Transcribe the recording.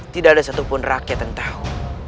tidak ada satupun rakyat yang tahu